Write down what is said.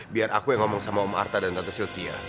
biar aku yang ngomong sama om artha dan tante sylvia